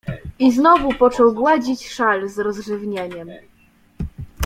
I znowu począł gładzić szal z rozrzewnieniem.